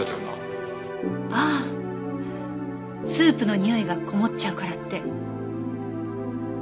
ああスープのにおいがこもっちゃうからって。